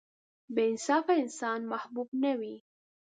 • بې انصافه انسان محبوب نه وي.